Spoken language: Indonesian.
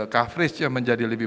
coverage yang menjadi lebih